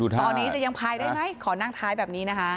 ตอนนี้จะยังพายได้ไหมขอนั่งท้ายแบบนี้นะคะ